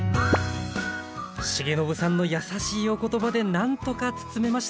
重信さんの優しいお言葉で何とか包めました。